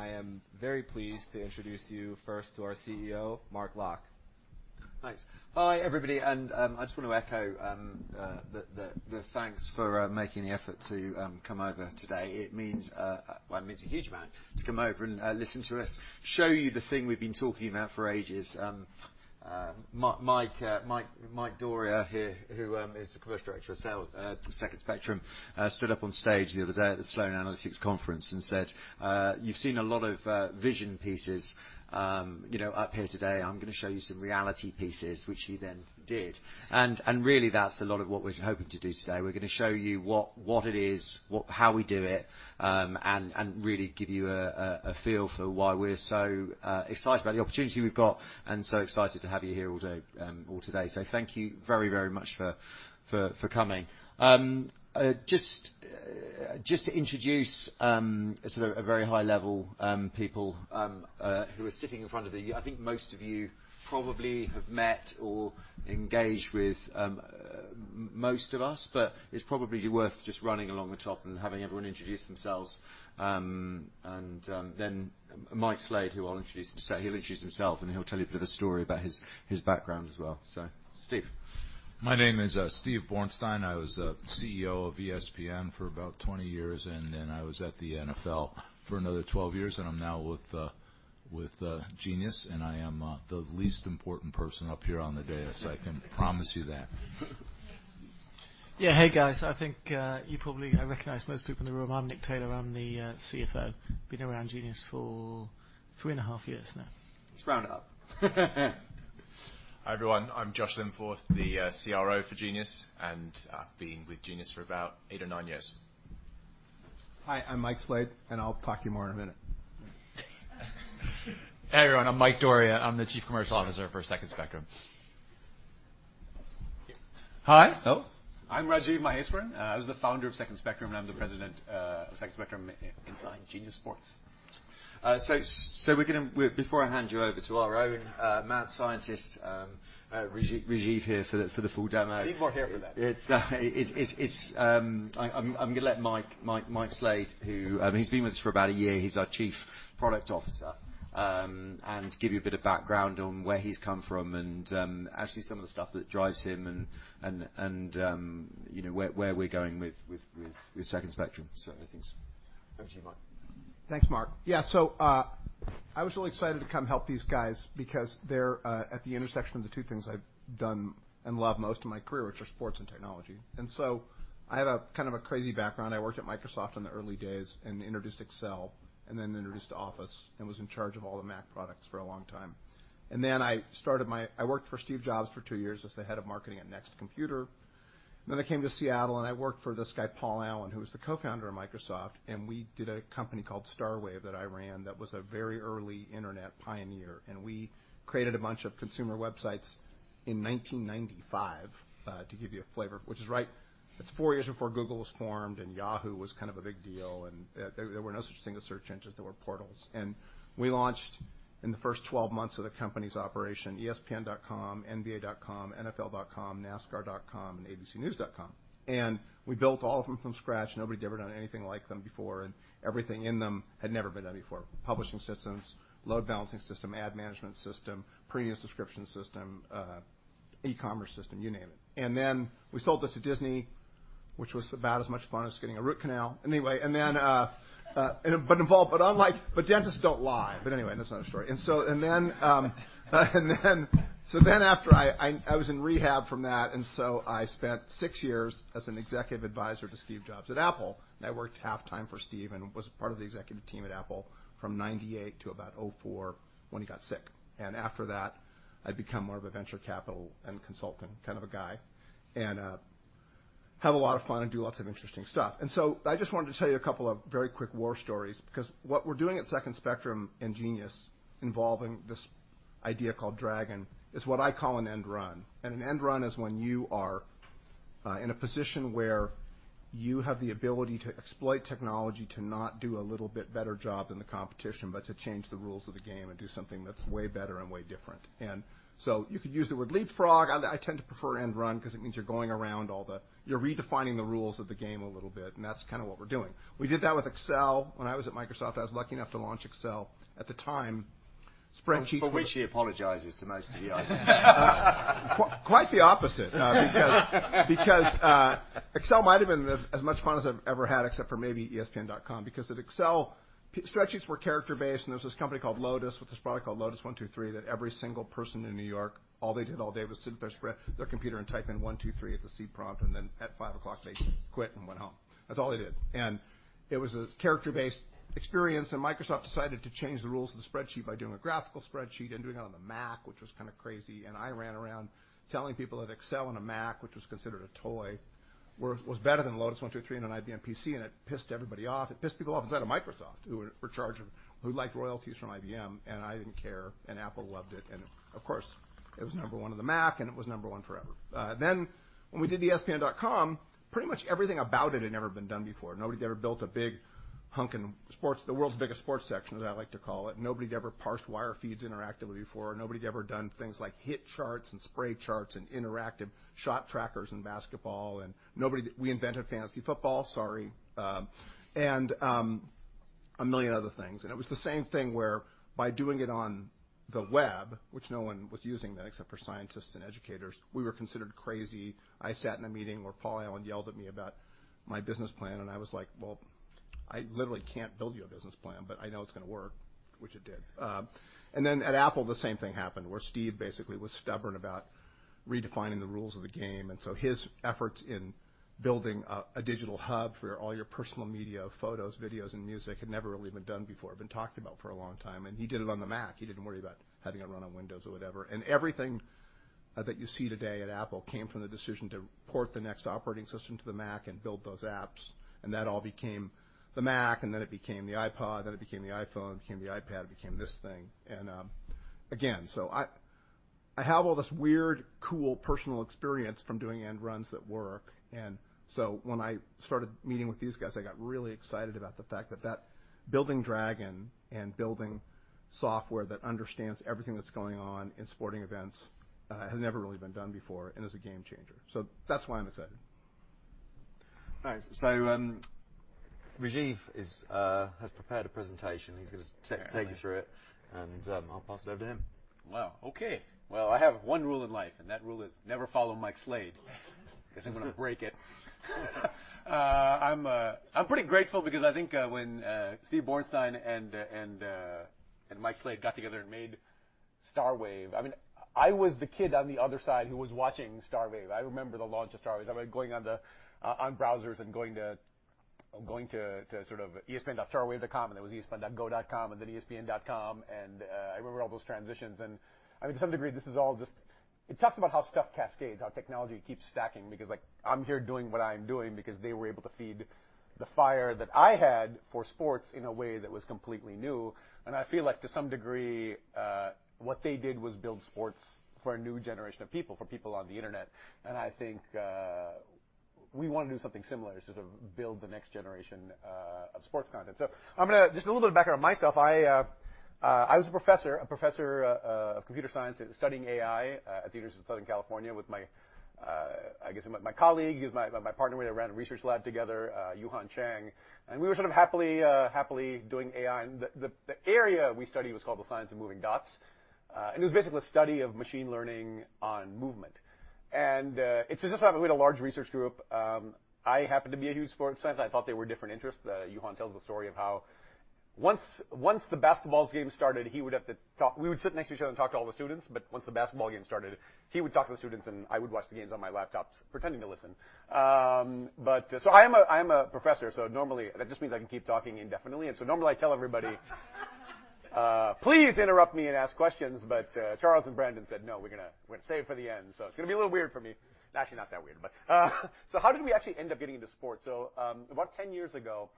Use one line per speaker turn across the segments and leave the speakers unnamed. I am very pleased to introduce you first to our CEO, Mark Locke.
Thanks. Hi, everybody, I just want to echo the thanks for making the effort to come over today. It means, well, it means a huge amount to come over and listen to us show you the thing we've been talking about for ages. Mike D'Auria here, who is the commercial director of Sal, Second Spectrum, stood up on stage the other day at the Sloan Analytics Conference and said, "You've seen a lot of vision pieces, you know, up here today. I'm gonna show you some reality pieces," which he then did. Really, that's a lot of what we're hoping to do today. We're gonna show you what it is, what how we do it, and really give you a feel for why we're so excited about the opportunity we've got and so excited to have you here all today. Thank you very much for coming. Just to introduce sort of a very high level people who are sitting in front of you. I think most of you probably have met or engaged with most of us, but it's probably worth just running along the top and having everyone introduce themselves. And then Mike Slade, who I'll introduce in a sec. He'll introduce himself, and he'll tell you a bit of a story about his background as well. Steve.
My name is Steve Bornstein. I was CEO of ESPN for about 20 years, then I was at the NFL for another 12 years, and I'm now with Genius. I am the least important person up here on the dais. I can promise you that.
Yeah. Hey, guys. I think, you probably recognize most people in the room. I'm Nick Taylor. I'm the CFO. Been around Genius for three and a half years now.
It's round up.
Hi, everyone. I'm Josh Linforth, the CRO for Genius, and I've been with Genius for about eight or nine years.
Hi, I'm Mike Slade, and I'll talk to you more in a minute.
Hey, everyone, I'm Mike D'Auria. I'm the chief commercial officer for Second Spectrum.
Hi. Oh.
I'm Rajiv Maheswaran. I was the founder of Second Spectrum, and I'm the president of Second Spectrum inside Genius Sports.
Before I hand you over to our own math scientist, Rajiv here for the full demo.
People are here for that.
I'm gonna let Mike Slade, who, he's been with us for about a year. He's our Chief Product Officer. To give you a bit of background on where he's come from and, you know, where we're going with Second Spectrum certainly. Thanks. Over to you, Mike.
Thanks, Mark. Yeah. I was really excited to come help these guys because they're at the intersection of the two things I've done and love most in my career, which are sports and technology. I have a kind of a crazy background. I worked at Microsoft in the early days and introduced Excel and then introduced Office and was in charge of all the Mac products for a long time. Then I worked for Steve Jobs for two years as the head of marketing at NeXT Computer. Then I came to Seattle, and I worked for this guy, Paul Allen, who was the co-founder of Microsoft, and we did a company called Starwave that I ran that was a very early internet pioneer. We created a bunch of consumer websites in 1995 to give you a flavor. It's four years before Google was formed and Yahoo was kind of a big deal, and there were no such thing as search engines. There were portals. We launched in the 12 months of the company's operation, ESPN.com, NBA.com, NFL.com, NASCAR.com, and ABCNews.com. We built all of them from scratch. Nobody had ever done anything like them before, and everything in them had never been done before. Publishing systems, load balancing system, ad management system, premium subscription system, e-commerce system, you name it. We sold this to Disney, which was about as much fun as getting a root canal. Anyway, dentists don't lie. Anyway, that's another story. After I was in rehab from that, I spent six years as an executive advisor to Steve Jobs at Apple. I worked half-time for Steve and was part of the executive team at Apple from 1998 to about 2004 when he got sick. After that, I'd become more of a venture capital and consultant kind of a guy and have a lot of fun and do lots of interesting stuff. I just wanted to tell you a couple of very quick war stories because what we're doing at Second Spectrum and Genius involving this idea called Dragon is what I call an end run. An end run is when you are in a position where you have the ability to exploit technology to not do a little bit better job than the competition, but to change the rules of the game and do something that's way better and way different. So you could use the word leapfrog. I tend to prefer end run 'cause it means you're going around all the, you're redefining the rules of the game a little bit, and that's kinda what we're doing. We did that with Excel. When I was at Microsoft, I was lucky enough to launch Excel. At the time, spreadsheets-
For which he apologizes to most of you.
Quite the opposite. because Excel might have been the as much fun as I've ever had except for maybe ESPN.com because at Excel, spreadsheets were character-based, and there was this company called Lotus with this product called Lotus 1-2-3 that every single person in New York, all they did all day was sit at their computer and type in 1-2-3 at the C prompt, and then at 5:00, they quit and went home. That's all they did. It was a character-based experience, and Microsoft decided to change the rules of the spreadsheet by doing a graphical spreadsheet and doing it on the Mac, which was kinda crazy. I ran around telling people that Excel on a Mac, which was considered a toy, was better than Lotus 1-2-3 on an IBM PC, and it pissed everybody off. It pissed people off inside of Microsoft who liked royalties from IBM, and I didn't care, and Apple loved it. Of course, it was number one on the Mac, and it was number one forever. When we did ESPN.com, pretty much everything about it had never been done before. Nobody had ever built a big hunkin' sports, the world's biggest sports section, as I like to call it. Nobody had ever parsed wire feeds interactively before. Nobody had ever done things like hit charts and spray charts and interactive shot trackers in basketball and nobody. We invented fantasy football. Sorry. One million other things. It was the same thing where by doing it on the web, which no one was using then except for scientists and educators, we were considered crazy. I sat in a meeting where Paul Allen yelled at me about my business plan, and I was like, "Well, I literally can't build you a business plan, but I know it's gonna work," which it did. Then at Apple, the same thing happened, where Steve basically was stubborn about redefining the rules of the game. His efforts in building a digital hub for all your personal media, photos, videos, and music had never really been done before. It'd been talked about for a long time, and he did it on the Mac. He didn't worry about having it run on Windows or whatever. Everything that you see today at Apple came from the decision to port the NeXT operating system to the Mac and build those apps. That all became the Mac, then it became the iPod, then it became the iPhone, it became the iPad, it became this thing. Again, so I have all this weird, cool personal experience from doing end runs that work. When I started meeting with these guys, I got really excited about the fact that that building Dragon and building software that understands everything that's going on in sporting events, had never really been done before and is a game changer. That's why I'm excited.
All right. Rajiv has prepared a presentation. He's gonna take you through it, and I'll pass it over to him.
Wow. Okay. Well, I have one rule in life, and that rule is never follow Mike Slade 'cause I'm gonna break it. I'm pretty grateful because I think when Steve Bornstein and Mike Slade got together and made Starwave. I mean, I was the kid on the other side who was watching Starwave. I remember the launch of Starwave. I remember going on browsers and going to sort of espn.starwave.com, and it was espn.go.com and then espn.com. I remember all those transitions. I mean, to some degree, this is all just. It talks about how stuff cascades, how technology keeps stacking because, like, I'm here doing what I'm doing because they were able to feed the fire that I had for sports in a way that was completely new. I feel like to some degree, what they did was build sports for a new generation of people, for people on the internet. I think we wanna do something similar to sort of build the next generation of sports content. I'm gonna Just a little bit of background on myself. I was a professor of computer science studying AI at the University of Southern California with my, I guess my colleague. He was my partner. We ran a research lab together, Yu-Han Chang. We were sort of happily doing AI. The area we studied was called the science of moving dots. It was basically the study of machine learning on movement. It's just funny, we had a large research group. I happened to be a huge sports fan. I thought they were different interests. Yu-Han tells the story of how once the basketball game started, he would have to talk. We would sit next to each other and talk to all the students, but once the basketball game started, he would talk to the students, and I would watch the games on my laptop pretending to listen. I am a, I am a professor, so normally that just means I can keep talking indefinitely. Normally I tell everybody, please interrupt me and ask questions. Charles and Brandon said, "No, we're gonna, we're gonna save it for the end." It's gonna be a little weird for me. Actually, not that weird. How did we actually end up getting into sports? About 10 years ago,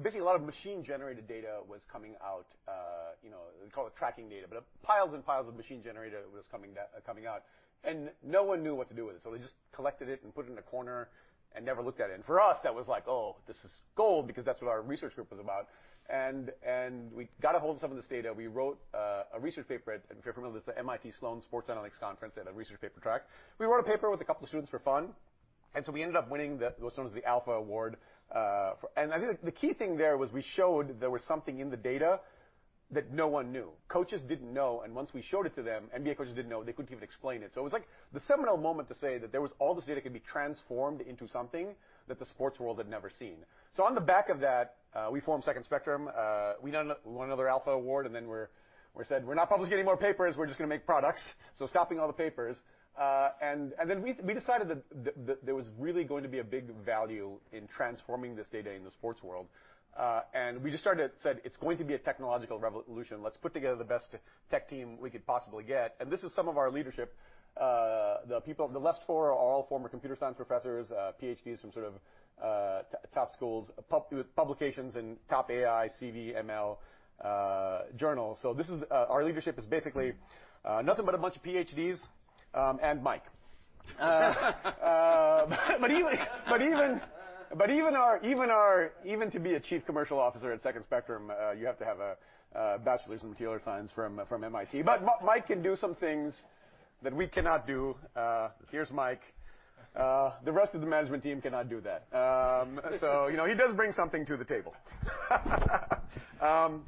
basically a lot of machine-generated data was coming out. You know, they call it tracking data. Piles and piles of machine-generated data was coming out, and no one knew what to do with it. They just collected it and put it in a corner and never looked at it. For us, that was like, "Oh, this is gold," because that's what our research group was about. We got a hold of some of this data. We wrote a research paper. If you're familiar, this is the MIT Sloan Sports Analytics Conference. They had a research paper track. We wrote a paper with a couple of students for fun, we ended up winning the, what's known as the Alpha Award. I think the key thing there was we showed there was something in the data that no one knew. Coaches didn't know, once we showed it to them, NBA coaches didn't know, they couldn't even explain it. It was like the seminal moment to say that there was all this data could be transformed into something that the sports world had never seen. On the back of that, we formed Second Spectrum. We won another Alpha Award, then we said, "We're not publishing any more papers. We're just gonna make products." Stopping all the papers. Then we decided that there was really going to be a big value in transforming this data in the sports world. We just started. Said, "It's going to be a technological revolution. Let's put together the best tech team we could possibly get." This is some of our leadership. The people, the left four are all former computer science professors, PhDs from sort of top schools, with publications in top AI, CV, ML journals. This is, our leadership is basically nothing but a bunch of PhDs, and Mike. But even to be a Chief Commercial Officer at Second Spectrum, you have to have a bachelor's in computer science from MIT. Mike can do some things that we cannot do. Here's Mike. The rest of the management team cannot do that. You know, he does bring something to the table.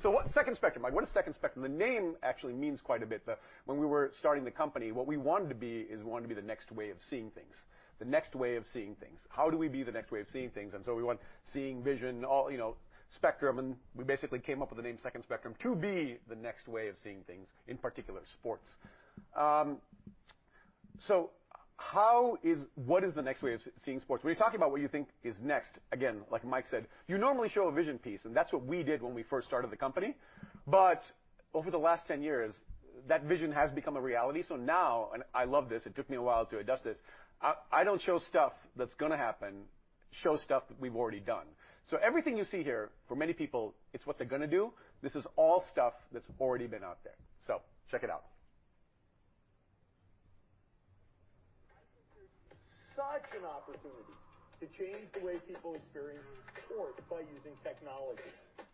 What's Second Spectrum? Like, what is Second Spectrum? The name actually means quite a bit. When we were starting the company, what we wanted to be is we wanted to be the next way of seeing things. The next way of seeing things. How do we be the next way of seeing things? We want seeing, vision, all, you know, spectrum, and we basically came up with the name Second Spectrum to be the next way of seeing things, in particular sports. What is the next way of seeing sports? When you're talking about what you think is next, again, like Mike said, you normally show a vision piece, and that's what we did when we first started the company. Over the last 10 years, that vision has become a reality. Now, and I love this, it took me a while to adjust to this, I don't show stuff that's gonna happen. Show stuff that we've already done. Everything you see here, for many people, it's what they're gonna do. This is all stuff that's already been out there. Check it out.
I think there's such an opportunity to change the way people experience sports by using technology.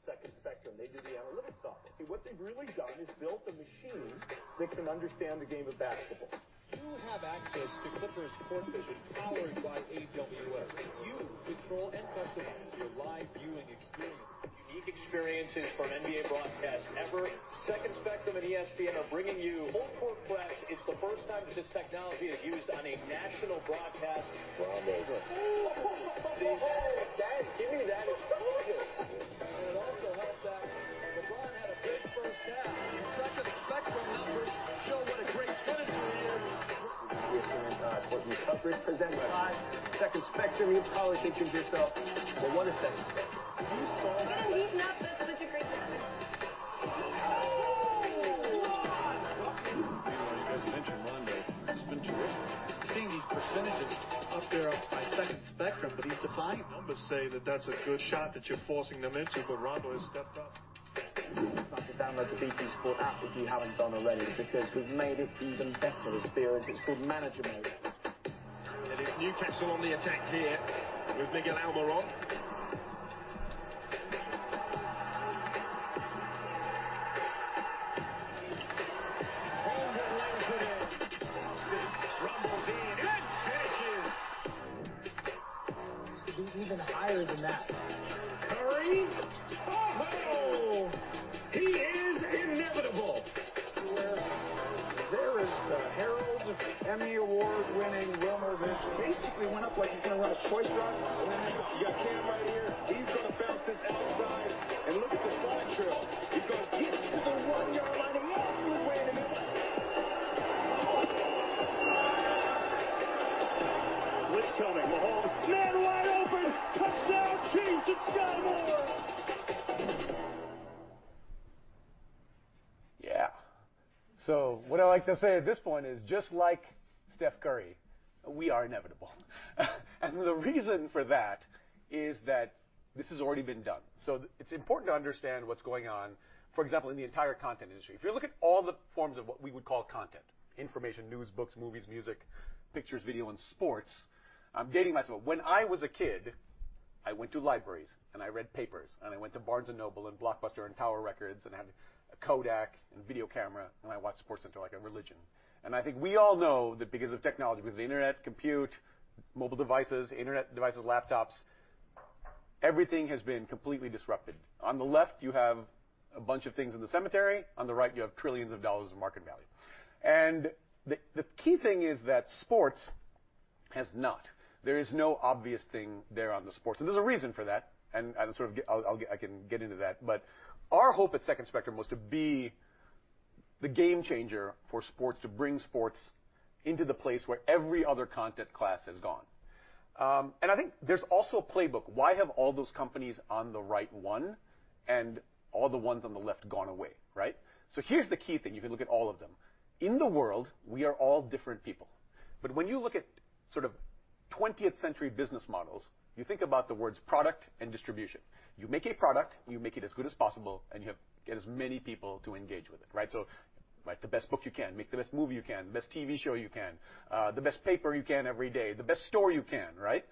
Second Spectrum, they do the analytics software. What they've really done is built a machine that can understand the game of basketball. You have access to Clippers CourtVision powered by AWS. Control and customize your live viewing experience. Unique experiences from NBA broadcast ever. Second Spectrum and ESPN are bringing you Full Court Press. It's the first time that this technology is used on a national broadcast. Rondo. Oh, Dad, give me that explosion. It also helped that LeBron had a great first half. Second Spectrum numbers show what a great perimeter he is. We have Sam, Courtney Cronin. Second Spectrum, you're probably thinking to yourself, "Well, what is Second
to say at this point is just like Steph Curry, we are inevitable. The reason for that is that this has already been done. It's important to understand what's going on, for example, in the entire content industry. If you look at all the forms of what we would call content, information, news, books, movies, music, pictures, video, and sports. I'm dating myself. When I was a kid, I went to libraries, and I read papers, and I went to Barnes & Noble and Blockbuster and Tower Records, and I had a Kodak and video camera, and I watched SportsCenter like a religion. I think we all know that because of technology, because of the Internet, compute, mobile devices, Internet devices, laptops, everything has been completely disrupted. On the left, you have a bunch of things in the cemetery. On the right, you have trillions of dollars of market value. The key thing is that sports has not. There is no obvious thing there on the sports. There's a reason for that, and sort of I can get into that. Our hope at Second Spectrum was to be the game changer for sports, to bring sports into the place where every other content class has gone. I think there's also a playbook. Why have all those companies on the right one and all the ones on the left gone away, right? Here's the key thing. You can look at all of them. In the world, we are all different people, but when you look at sort of 20th century business models, you think about the words product and distribution. You make a product, you make it as good as possible, and get as many people to engage with it, right? Write the best book you can, make the best movie you can, the best TV show you can, the best paper you can every day, the best store you can, right?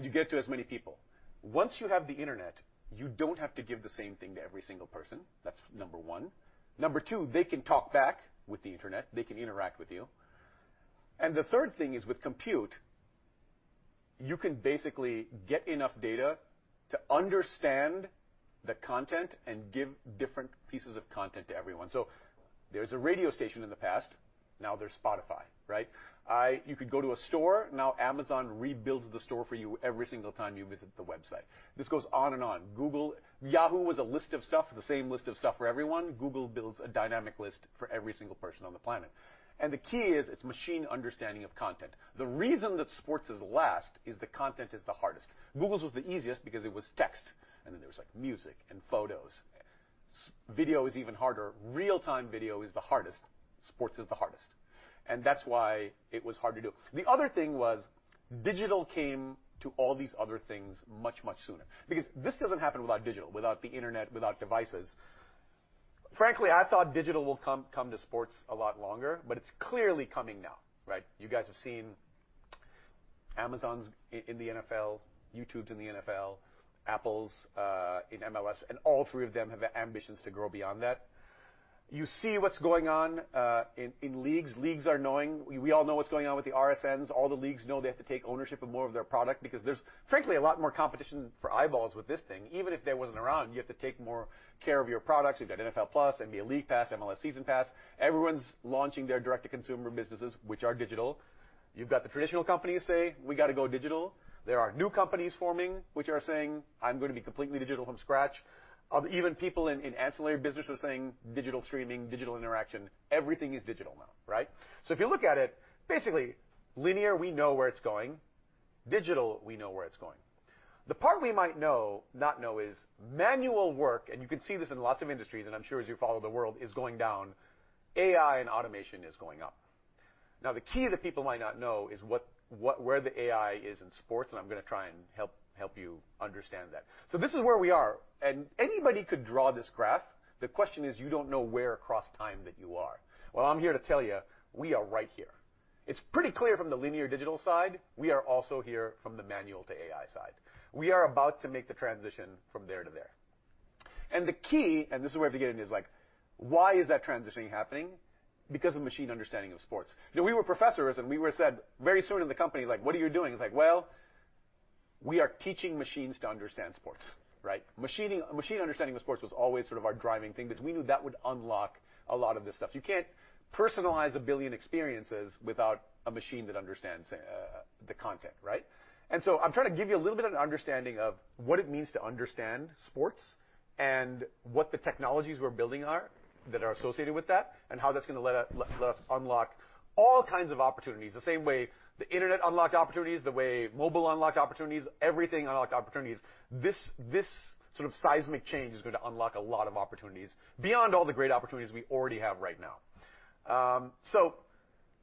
You get to as many people. Once you have the Internet, you don't have to give the same thing to every single person. That's number one. Number two, they can talk back with the Internet. They can interact with you. The third thing is with compute, you can basically get enough data to understand the content and give different pieces of content to everyone. There's a radio station in the past, now there's Spotify, right? You could go to a store, now Amazon rebuilds the store for you every single time you visit the website. This goes on and on. Yahoo was a list of stuff, the same list of stuff for everyone. Google builds a dynamic list for every single person on the planet. The key is it's machine understanding of content. The reason that sports is last is the content is the hardest. Google's was the easiest because it was text, and then there was, like, music and photos. Video is even harder. Real-time video is the hardest. Sports is the hardest. That's why it was hard to do. The other thing was digital came to all these other things much, much sooner because this doesn't happen without digital, without the Internet, without devices. Frankly, I thought digital will come to sports a lot longer, but it's clearly coming now, right? You guys have seen Amazon's in the NFL, YouTube's in the NFL, Apple's in MLS, and all three of them have ambitions to grow beyond that. You see what's going on in leagues. Leagues are knowing. We all know what's going on with the RSNs. All the leagues know they have to take ownership of more of their product because there's, frankly, a lot more competition for eyeballs with this thing, even if they wasn't around. You have to take more care of your products. You've got NFL+, NBA League Pass, MLS Season Pass. Everyone's launching their direct-to-consumer businesses, which are digital. You've got the traditional companies say, "We gotta go digital." There are new companies forming which are saying, "I'm gonna be completely digital from scratch." Even people in ancillary businesses are saying digital streaming, digital interaction. Everything is digital now, right? If you look at it, basically linear, we know where it's going. Digital, we know where it's going. The part we might not know is manual work, and you can see this in lots of industries, and I'm sure as you follow the world is going down. AI and automation is going up. The key that people might not know is what where the AI is in sports, and I'm gonna try and help you understand that. This is where we are. Anybody could draw this graph. The question is you don't know where across time that you are. Well, I'm here to tell you we are right here. It's pretty clear from the linear digital side, we are also here from the manual to AI side. We are about to make the transition from there to there. The key, and this is where we have to get into this, like why is that transitioning happening? Because of machine understanding of sports. You know, we were professors, and we were said very soon in the company, like, "What are you doing?" It's like, "Well, we are teaching machines to understand sports." Right? Machine understanding of sports was always sort of our driving thing because we knew that would unlock a lot of this stuff. You can't personalize a billion experiences without a machine that understands the content, right? I'm trying to give you a little bit of an understanding of what it means to understand sports and what the technologies we're building are that are associated with that, and how that's gonna let us unlock all kinds of opportunities. The same way the Internet unlocked opportunities, the way mobile unlocked opportunities, everything unlocked opportunities. This sort of seismic change is going to unlock a lot of opportunities beyond all the great opportunities we already have right now.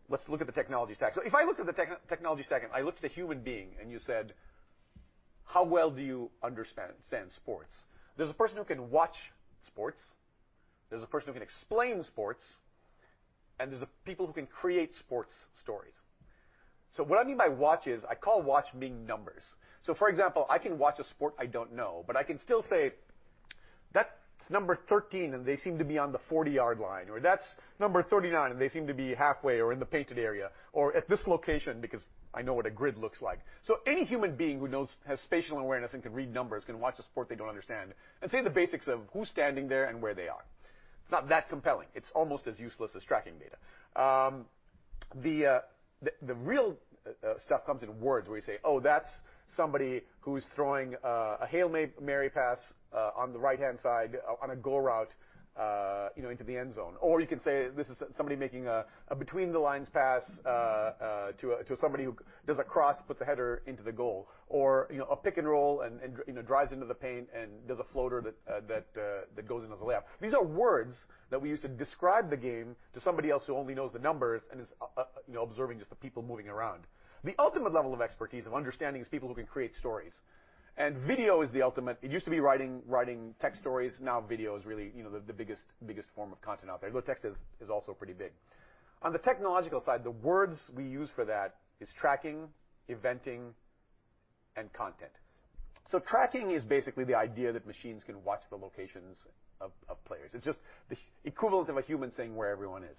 Let's look at the technology stack. If I looked at the technology stack, and I looked at a human being, and you said, "How well do you understand sports?" There's a person who can watch sports, there's a person who can explain sports, and there's a people who can create sports stories. What I mean by watch is I call watch meaning numbers. For example, I can watch a sport I don't know, but I can still say, "That's number 13, and they seem to be on the 40-yard line," or, "That's number 39, and they seem to be halfway or in the painted area or at this location," because I know what a grid looks like. Any human being who has spatial awareness and can read numbers can watch a sport they don't understand and say the basics of who's standing there and where they are. It's not that compelling. It's almost as useless as tracking data. The real stuff comes in words where you say, "Oh, that's somebody who's throwing a Hail Mary pass on the right-hand side on a go route, you know, into the end zone." You can say, "This is somebody making a between-the-lines pass to somebody who does a cross, puts a header into the goal," or, you know, a pick and roll and, you know, drives into the paint and does a floater that goes in as a layup. These are words that we use to describe the game to somebody else who only knows the numbers and is, you know, observing just the people moving around. The ultimate level of expertise of understanding is people who can create stories, and video is the ultimate. It used to be writing text stories. Video is really, you know, the biggest form of content out there, though text is also pretty big. On the technological side, the words we use for that is tracking, eventing, and content. Tracking is basically the idea that machines can watch the locations of players. It's just the equivalent of a human saying where everyone is.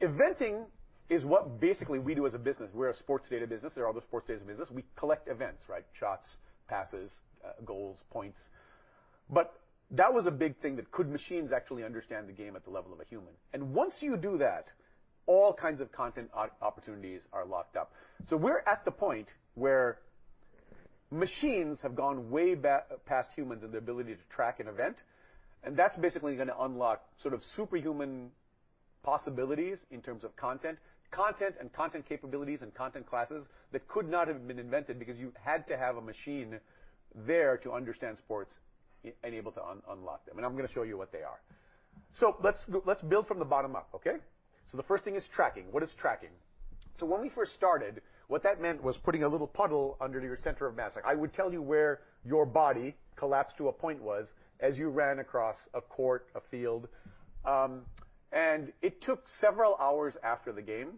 Eventing is what basically we do as a business. We're a sports data business. There are other sports data business. We collect events, right? Shots, passes, goals, points. That was a big thing that could machines actually understand the game at the level of a human. Once you do that, all kinds of content opportunities are locked up. We're at the point where machines have gone way past humans in the ability to track an event, and that's basically gonna unlock sort of superhuman possibilities in terms of content. Content and content capabilities and content classes that could not have been invented because you had to have a machine there to understand sports and able to unlock them, and I'm gonna show you what they are. Let's build from the bottom up, okay? The first thing is tracking. What is tracking? When we first started, what that meant was putting a little puddle under your center of mass. Like I would tell you where your body collapsed to a point was as you ran across a court, a field. It took several hours after the game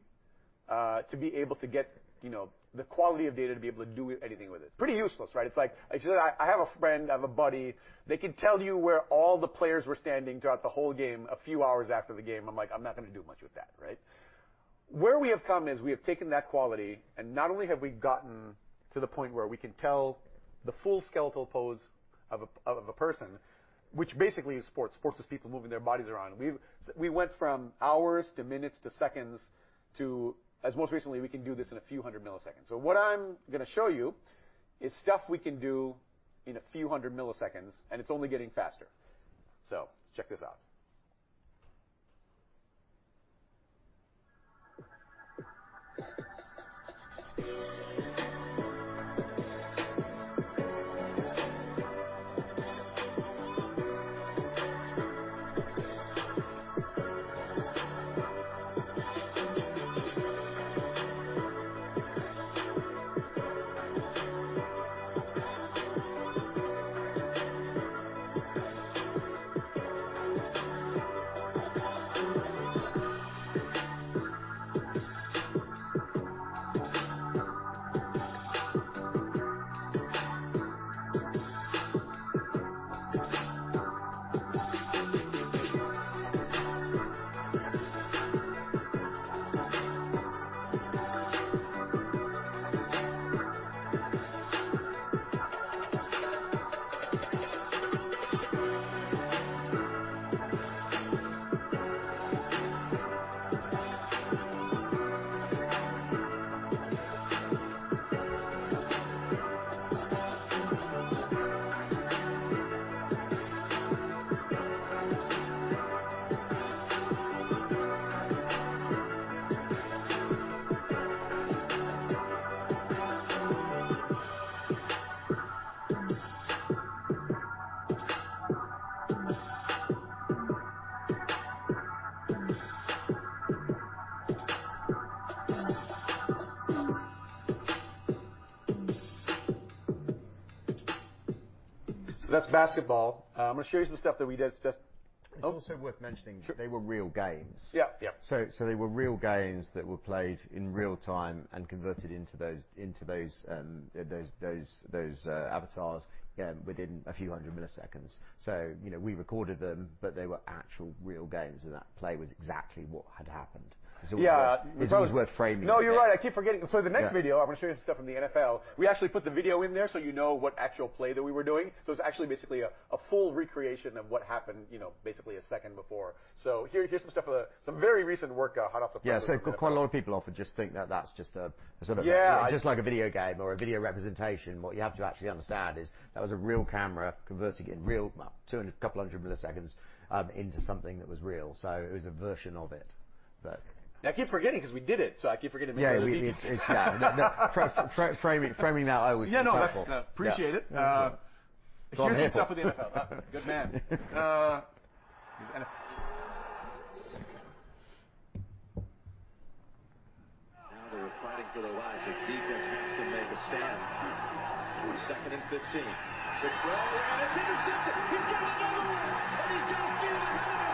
to be able to get, you know, the quality of data to be able to do anything with it. Pretty useless, right? It's like I have a friend, I have a buddy that can tell you where all the players were standing throughout the whole game a few hours after the game. I'm like, "I'm not gonna do much with that," right? Where we have come is we have taken that quality, and not only have we gotten to the point where we can tell the full skeletal pose of a person, which basically is sports. Sports is people moving their bodies around. We went from hours to minutes to seconds to as most recently, we can do this in a few hundred milliseconds. What I'm gonna show you is stuff we can do in a few hundred milliseconds, and it's only getting faster. Let's check this out. That's basketball. I'm gonna show you some stuff that we did just
It's also worth mentioning.
Sure.
They were real games.
Yeah. Yeah.
They were real games that were played in real time and converted into those avatars, within a few hundred milliseconds. You know, we recorded them, but they were actual real games, and that play was exactly what had happened.
Yeah.
'Cause it's always worth framing.
No, you're right. I keep forgetting.
Yeah.
I'm gonna show you some stuff from the NFL. We actually put the video in there so you know what actual play that we were doing. It's actually basically a full recreation of what happened, you know, basically a second before. Here's some stuff. Some very recent work, hot off the press.
Yeah. Quite a lot of people often just think that that's just a sort of.
Yeah.
just like a video game or a video representation. What you have to actually understand is that was a real camera converting in real, well, 200 milliseconds into something that was real. It was a version of it.
I keep forgetting 'cause we did it, so I keep forgetting that we did it.
Yeah. It's. Yeah. No, no. frame it, frame it now always.
Yeah. No. That's...
Yeah.
Appreciate it.
No. Go on here.
Here's some stuff with the NFL. good man.
Now they're fighting for their lives. The defense has to make a stand. Second and 15. The throw away, and it's intercepted. He's got another one, and he's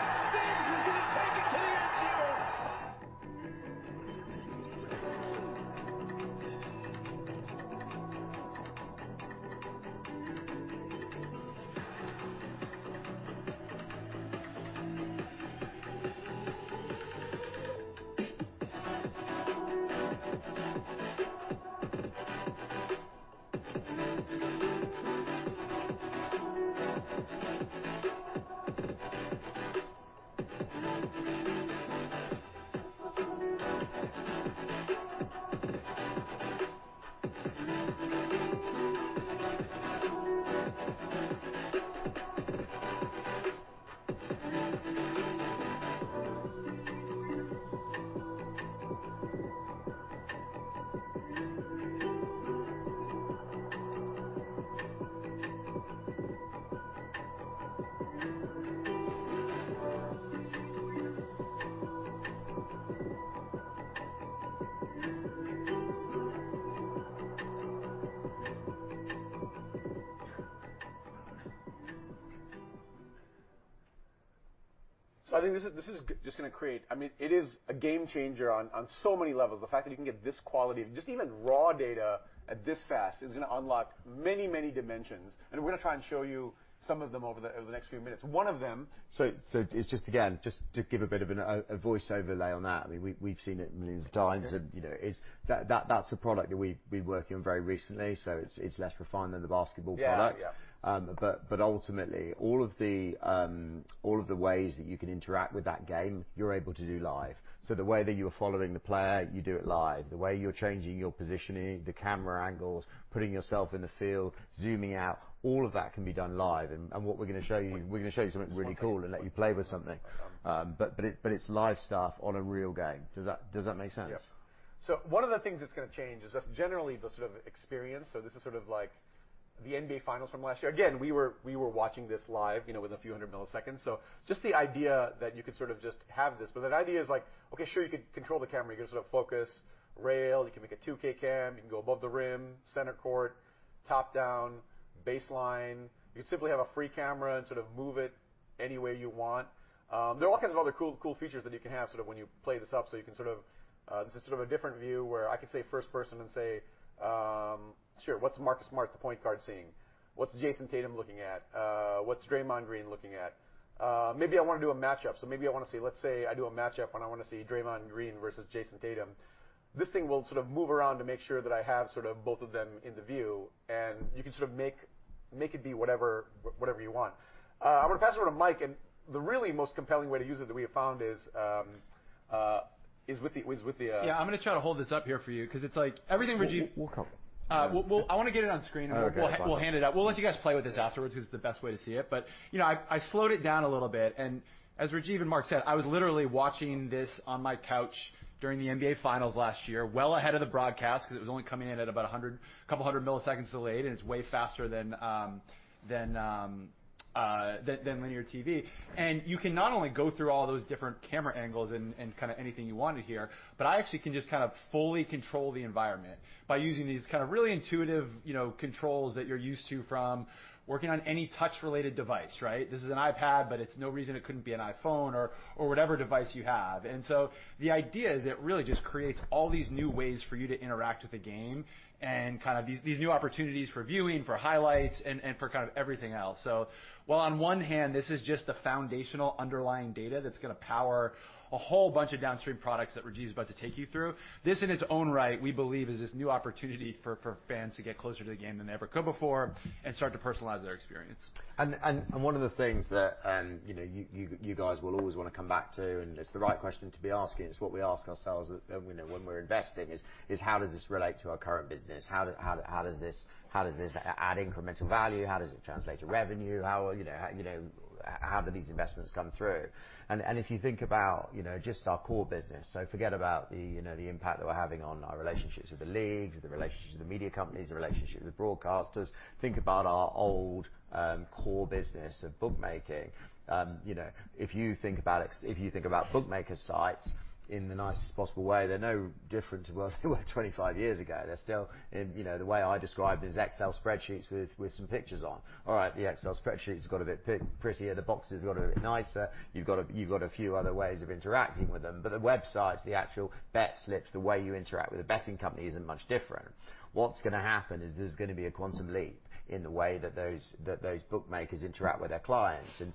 gonna feed the crowd. Davis is gonna take it to the end zone.
I mean, it is a game changer on so many levels. The fact that you can get this quality of just even raw data at this fast is gonna unlock many dimensions, and we're gonna try and show you some of them over the next few minutes.
It's just, again, just to give a bit of a voice overlay on that. I mean, we've seen it millions of times.
Yeah.
You know, That's a product that we've worked on very recently, so it's less refined than the basketball product.
Yeah. Yeah.
Ultimately, all of the ways that you can interact with that game, you're able to do live. The way that you are following the player, you do it live. The way you're changing your positioning, the camera angles, putting yourself in the field, zooming out, all of that can be done live. What we're gonna show you, we're gonna show you something really cool and let you play with something. It's live stuff on a real game. Does that make sense?
One of the things that's gonna change is just generally the sort of experience. This is sort of like the NBA Finals from last year. Again, we were watching this live, you know, with a few hundred milliseconds. Just the idea that you could sort of just have this. The idea is, like, okay, sure, you could control the camera. You can sort of focus, rail, you can make a 2K cam. You can go above the rim, center court, top down, baseline. You could simply have a free camera and sort of move it any way you want. There are all kinds of other cool features that you can have sort of when you play this up. You can sort of, this is sort of a different view where I could say first person and say, "Sure, what's Marcus Smart, the point guard, seeing? What's Jayson Tatum looking at? What's Draymond Green looking at?" Maybe I wanna do a match up, so maybe I wanna see... Let's say I do a match up and I wanna see Draymond Green versus Jayson Tatum. This thing will sort of move around to make sure that I have sort of both of them in the view, and you can sort of make it be whatever you want. I'm gonna pass it over to Mike, and the really most compelling way to use it that we have found is with the.
Yeah, I'm gonna try to hold this up here for you 'cause it's like everything.
We'll come.
we'll... I wanna get it on.
Okay.
We'll hand it out. We'll let you guys play with this afterwards 'cause it's the best way to see it. You know, I slowed it down a little bit, and as Rajiv and Mark said, I was literally watching this on my couch during the NBA Finals last year, well ahead of the broadcast 'cause it was only coming in at about 100, couple hundred milliseconds delayed, and it's way faster than linear TV. You can not only go through all those different camera angles and kinda anything you want to hear, but I actually can just kind of fully control the environment by using these kind of really intuitive, you know, controls that you're used to from working on any touch-related device, right? This is an iPad, it's no reason it couldn't be an iPhone or whatever device you have. The idea is it really just creates all these new ways for you to interact with the game and kind of these new opportunities for viewing, for highlights, and for kind of everything else. While on one hand this is just the foundational underlying data that's gonna power a whole bunch of downstream products that Rajiv's about to take you through, this in its own right we believe is this new opportunity for fans to get closer to the game than they ever could before and start to personalize their experience.
One of the things that, you know, you guys will always wanna come back to, and it's the right question to be asking, it's what we ask ourselves, you know, when we're investing is how does this relate to our current business? How does this add incremental value? How does it translate to revenue? How, you know, how do these investments come through? If you think about, you know, just our core business, so forget about the, you know, the impact that we're having on our relationships with the leagues, the relationships with the media companies, the relationships with broadcasters. Think about our old, core business of bookmaking. You know, if you think about bookmaker sites, in the nicest possible way, they're no different to what they were 25 years ago. They're still in. You know, the way I describe it is Excel spreadsheets with some pictures on. All right, the Excel spreadsheets have got a bit prettier. The boxes have got a bit nicer. You've got a few other ways of interacting with them. The websites, the actual bet slips, the way you interact with the betting company isn't much different. What's gonna happen is there's gonna be a quantum leap in the way that those bookmakers interact with their clients. you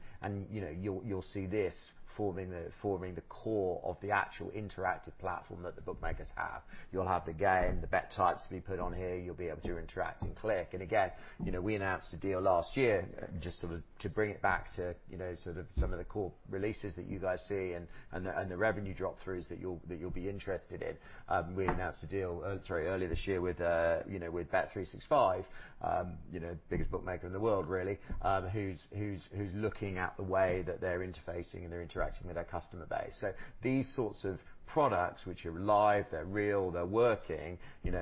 know, you'll see this forming the core of the actual interactive platform that the bookmakers have. You'll have the game, the bet types can be put on here. You'll be able to interact and click. Again, you know, we announced a deal last year, just sort of to bring it back to, you know, sort of some of the core releases that you guys see and the revenue drop-throughs that you'll be interested in. We announced a deal, sorry, earlier this year with, you know, with bet365, you know, biggest bookmaker in the world really, who's looking at the way that they're interfacing and they're interacting with their customer base. These sorts of products, which are live, they're real, they're working, you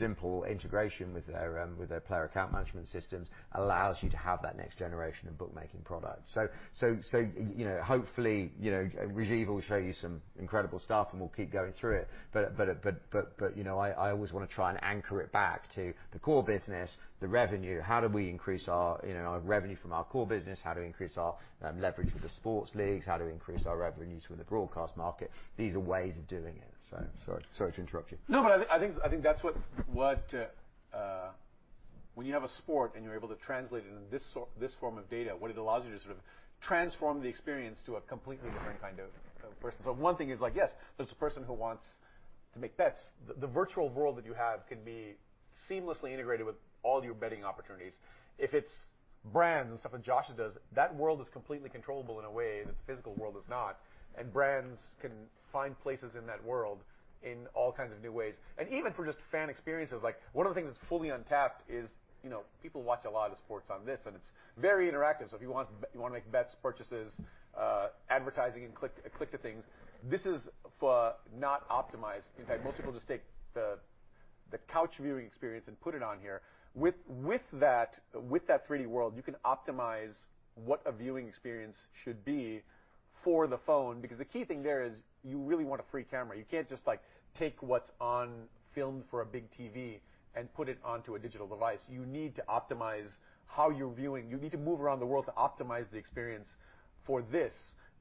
know, simple integration with their player account management systems allows you to have that next generation of bookmaking product. You know, Rajiv will show you some incredible stuff, and we'll keep going through it. You know, I always wanna try and anchor it back to the core business, the revenue. How do we increase our, you know, our revenue from our core business? How do we increase our leverage with the sports leagues? How do we increase our revenues from the broadcast market? These are ways of doing it. Sorry to interrupt you.
I think that's what. When you have a sport and you're able to translate it into this form of data, what it allows you to sort of transform the experience to a completely different kind of person. One thing is like, yes, there's a person who wants to make bets. The virtual world that you have can be seamlessly integrated with all your betting opportunities. If it's brands and stuff that Josh does, that world is completely controllable in a way that the physical world is not. Brands can find places in that world in all kinds of new ways. Even for just fan experiences, like one of the things that's fully untapped is, you know, people watch a lot of sports on this, and it's very interactive. If you wanna make bets, purchases, advertising and click to things, this is for not optimized. In fact, most people just take the couch viewing experience and put it on here. With, with that, with that 3D world, you can optimize what a viewing experience should be for the phone, because the key thing there is you really want a free camera. You can't just like take what's on film for a big TV and put it onto a digital device. You need to optimize how you're viewing. You need to move around the world to optimize the experience for this,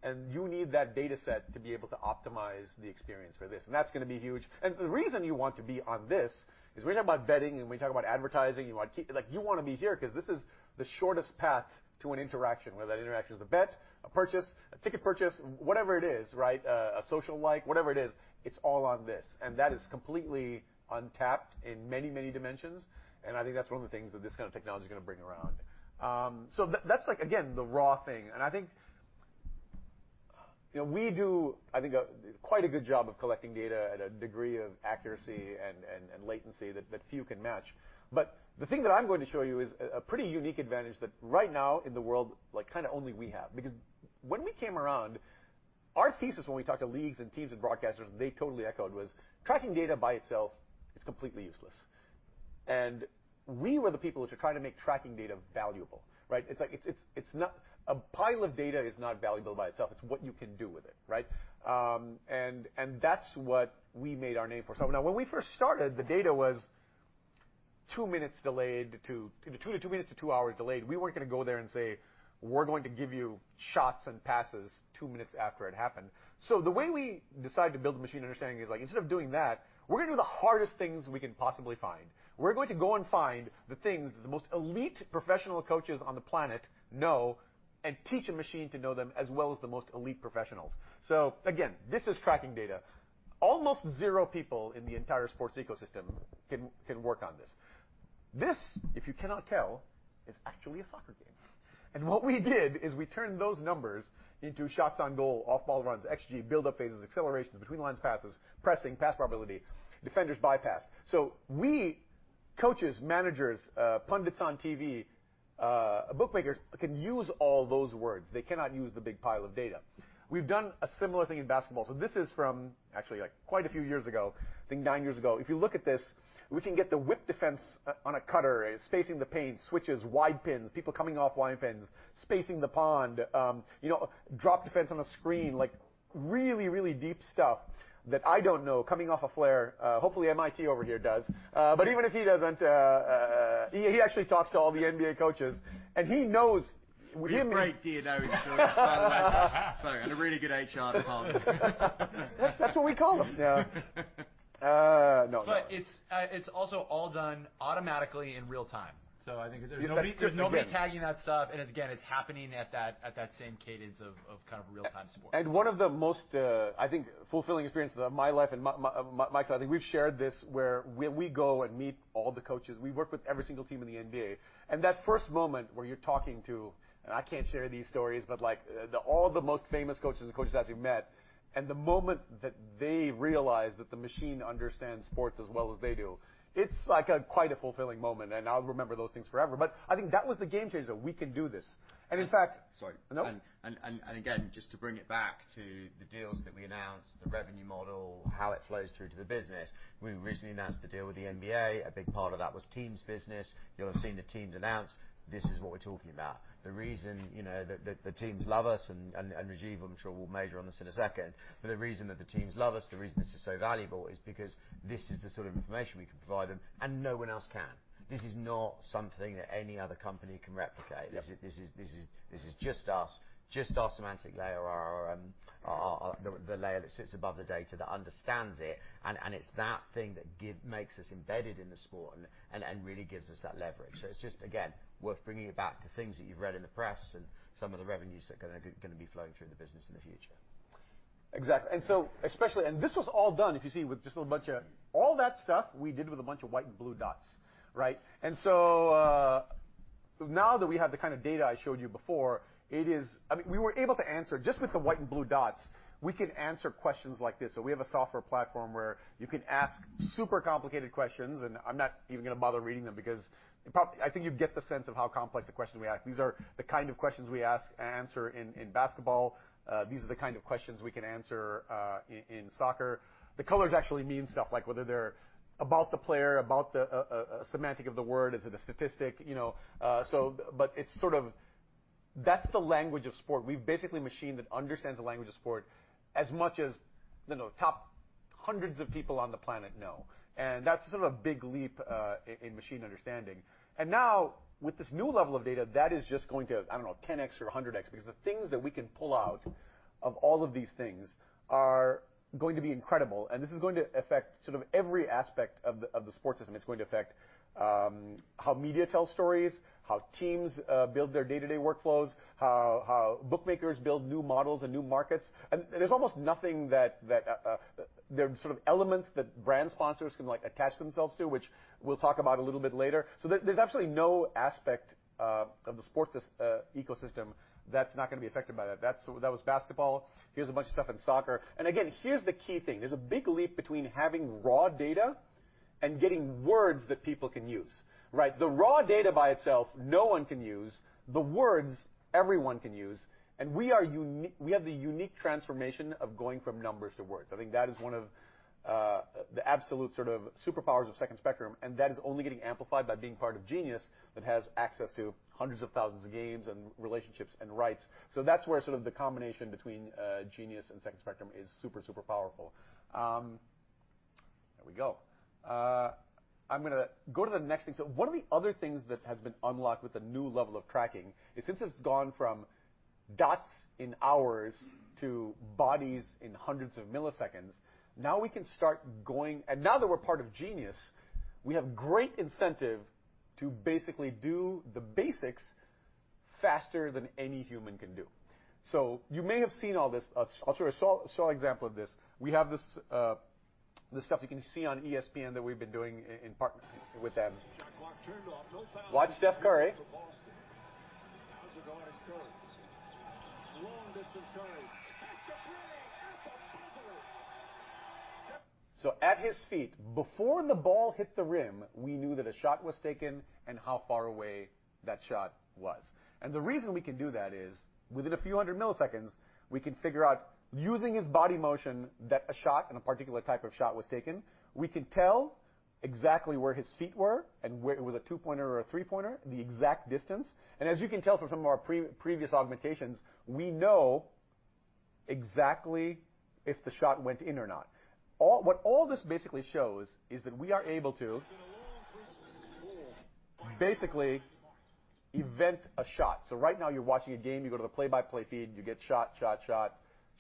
and you need that dataset to be able to optimize the experience for this. That's gonna be huge. The reason you want to be on this is we're talking about betting, and we talk about advertising. You want to keep. Like, you wanna be here 'cause this is the shortest path to an interaction, whether that interaction is a bet, a purchase, a ticket purchase, whatever it is, right? a social like, whatever it is, it's all on this. That is completely untapped in many, many dimensions, and I think that's one of the things that this kind of technology is gonna bring around. That's like again, the raw thing. I think, you know, we do, I think, quite a good job of collecting data at a degree of accuracy and latency that few can match. The thing that I'm going to show you is a pretty unique advantage that right now in the world, like kinda only we have. When we came around, our thesis when we talked to leagues and teams and broadcasters, they totally echoed, was tracking data by itself is completely useless. We were the people that were trying to make tracking data valuable, right? It's like a pile of data is not valuable by itself. It's what you can do with it, right? And that's what we made our name for. Now when we first started, the data was two minutes delayed to... two to two minutes to two hours delayed. We weren't gonna go there and say, "We're going to give you shots and passes two minutes after it happened." The way we decided to build the machine understanding is like instead of doing that, we're gonna do the hardest things we can possibly find. We're going to go and find the things that the most elite professional coaches on the planet know and teach a machine to know them as well as the most elite professionals. Again, this is tracking data. Almost zero people in the entire sports ecosystem can work on this. This, if you cannot tell, is actually a soccer game. What we did is we turned those numbers into shots on goal, off ball runs, xG, build up phases, accelerations, between the lines passes, pressing, pass probability, defenders bypassed. We, coaches, managers, pundits on TV, bookmakers can use all those words. They cannot use the big pile of data. We've done a similar thing in basketball. This is from actually like quite a few years ago, I think nine years ago. If you look at this, we can get the whip defense on a cutter, spacing the paint, switches, wide pins, people coming off wide pins, spacing the pond, you know, drop defense on a screen. Like really, really deep stuff that I don't know coming off a flare. Hopefully MIT over here does. But even if he doesn't, he actually talks to all the NBA coaches, and he knows what he-
He's a great D&O insurance, by the way. Sorry. A really good HR department.
That's what we call them. Yeah. No.
It's also all done automatically in real time. I think.
There's a bit.
There's no retagging that stuff, and again, it's happening at that, at that same cadence of kind of real-time sport.
One of the most, I think fulfilling experiences of my life and Mike's, I think we've shared this where we go and meet all the coaches. We work with every single team in the NBA, and that first moment where you're talking to... and I can't share these stories, but like all the most famous coaches and coaches I've actually met, and the moment that they realize that the machine understands sports as well as they do, it's like a quite a fulfilling moment, and I'll remember those things forever. I think that was the game changer, that we can do this.
Sorry.
No.
Again, just to bring it back to the deals that we announced, the revenue model, how it flows through to the business, we recently announced the deal with the NBA. A big part of that was teams business. You'll have seen the teams announce this is what we're talking about. The reason, you know, the teams love us and Rajiv, I'm sure will major on this in a second. The reason that the teams love us, the reason this is so valuable is because this is the sort of information we can provide them, and no one else can. This is not something that any other company can replicate.
Yep.
This is just us, just our semantic layer, our, the layer that sits above the data that understands it. It's that thing that makes us embedded in the sport and really gives us that leverage. It's just again, worth bringing it back to things that you've read in the press and some of the revenues that are gonna be flowing through the business in the future.
Exactly. This was all done, if you see, with just a bunch of white and blue dots, right? Now that we have the kind of data I showed you before, I mean, we were able to answer just with the white and blue dots, we can answer questions like this. We have a software platform where you can ask super complicated questions, and I'm not even gonna bother reading them because I think you get the sense of how complex the questions we ask. These are the kind of questions we ask and answer in basketball. These are the kind of questions we can answer in soccer. The colors actually mean stuff like whether they're about the player, about the semantic of the word. Is it a statistic? You know, so but it's sort of that's the language of sport. We've basically a machine that understands the language of sport as much as, you know, top hundreds of people on the planet know. That's sort of a big leap, in machine understanding. Now-With this new level of data, that is just going to, I don't know, 10x or 100x, because the things that we can pull out of all of these things are going to be incredible, and this is going to affect sort of every aspect of the, of the sports system. It's going to affect, how media tells stories, how teams, build their day-to-day workflows, how bookmakers build new models and new markets. There's almost nothing that... There are sort of elements that brand sponsors can like attach themselves to, which we'll talk about a little bit later. There's absolutely no aspect of the sports ecosystem that's not gonna be affected by that. That was basketball. Here's a bunch of stuff in soccer. Again, here's the key thing. There's a big leap between having raw data and getting words that people can use, right? The raw data by itself, no one can use. The words, everyone can use. We have the unique transformation of going from numbers to words. I think that is one of the absolute sort of superpowers of Second Spectrum, and that is only getting amplified by being part of Genius that has access to hundreds of thousands of games and relationships and rights. That's where sort of the combination between Genius and Second Spectrum is super powerful. There we go. I'm gonna go to the next thing. One of the other things that has been unlocked with the new level of tracking is since it's gone from dots and hours to bodies in hundreds of milliseconds, now we can start going... Now that we're part of Genius, we have great incentive to basically do the basics faster than any human can do. You may have seen all this. I'll show you. I'll example of this. We have this stuff you can see on ESPN that we've been doing in part with them.
Shot clock turned off. No foul.
Watch Stephen Curry.
To Boston. Now's a guard Curry. Long-distance Curry. Takes a 3. At the buzzer.
At his feet, before the ball hit the rim, we knew that a shot was taken and how far away that shot was. The reason we can do that is within a few hundred milliseconds, we can figure out, using his body motion, that a shot and a particular type of shot was taken. We can tell exactly where his feet were and where it was a 2-pointer or a 3-pointer, the exact distance. As you can tell from some of our pre-previous augmentations, we know exactly if the shot went in or not. What all this basically shows is that we are able to-
It's in a long three as he scores.
Basically event a shot. Right now you're watching a game, you go to the play-by-play feed, and you get shot, shot.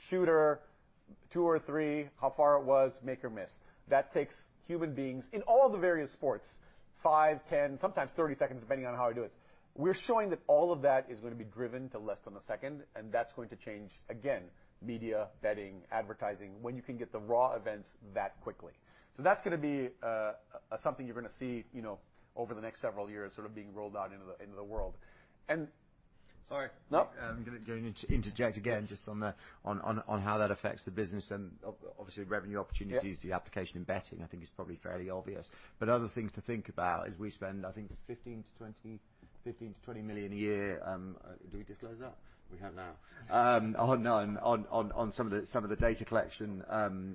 Shooter, two or three, how far it was, make or miss. That takes human beings in all of the various sports five, 10, sometimes 30 seconds, depending on how they do it. We're showing that all of that is gonna be driven to less than a second, and that's going to change, again, media, betting, advertising, when you can get the raw events that quickly. That's gonna be, something you're gonna see, you know, over the next several years sort of being rolled out into the, into the world.
Sorry.
No.
I'm gonna interject again just on how that affects the business and obviously revenue opportunities.
Yeah.
The application in betting, I think is probably fairly obvious. Other things to think about is we spend, I think, $15-$20 million a year. Do we disclose that? We have now. On some of the data collection.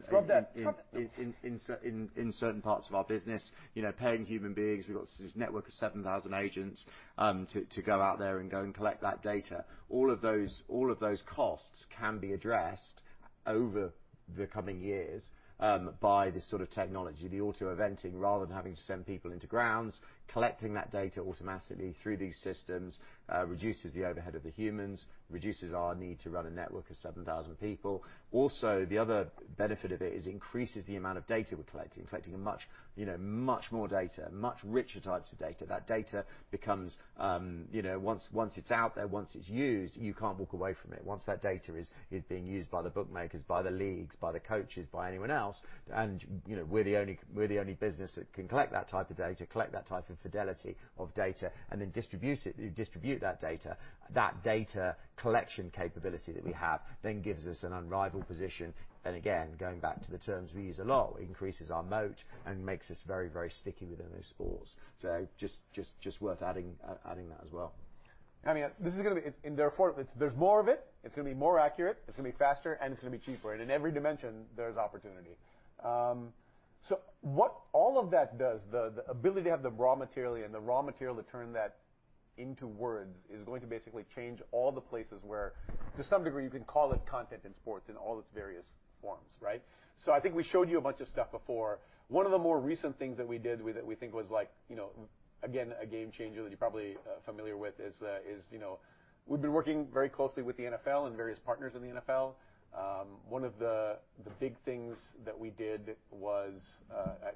Scrub that. Scrub that.
in certain parts of our business, you know, paying human beings. We've got this network of 7,000 agents to go out there and go and collect that data. All of those, all of those costs can be addressed over the coming years by this sort of technology. The auto eventing, rather than having to send people into grounds, collecting that data automatically through these systems reduces the overhead of the humans, reduces our need to run a network of 7,000 people. Also, the other benefit of it is increases the amount of data we're collecting. Collecting much, you know, much more data, much richer types of data. That data becomes, you know, once it's out there, once it's used, you can't walk away from it. Once that data is being used by the bookmakers, by the leagues, by the coaches, by anyone else, you know, we're the only business that can collect that type of data, collect that type of fidelity of data, then distribute that data. That data collection capability that we have then gives us an unrivaled position. again, going back to the terms we use a lot, increases our moat and makes us very sticky within those sports. just worth adding that as well.
I mean, this is gonna be. Therefore, there's more of it's gonna be more accurate, it's gonna be faster, and it's gonna be cheaper. In every dimension there's opportunity. What all of that does, the ability to have the raw material and the raw material to turn that into words is going to basically change all the places where, to some degree, you can call it content in sports in all its various forms, right? I think we showed you a bunch of stuff before. One of the more recent things that we did that we think was like, you know, again, a game changer that you're probably familiar with is, you know... We've been working very closely with the NFL and various partners in the NFL. One of the big things that we did was,